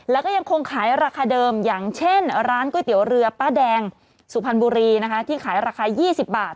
แล้วก็ยังคงขายราคาเดิมอย่างเช่นร้านก๋วยเตี๋ยวเรือป้าแดงสุพรรณบุรีนะคะที่ขายราคา๒๐บาท